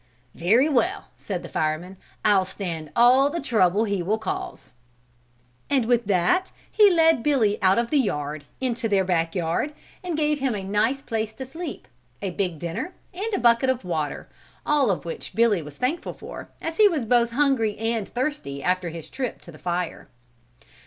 "Very well," said the fireman, "I'll stand all the trouble he will cause." And with that he led Billy out of the yard into their back yard and gave him a nice place to sleep, a big dinner and a bucket of water, all of which Billy was thankful for as he was both hungry and thirsty after his trip to the fire.